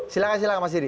silahkan silahkan mas didi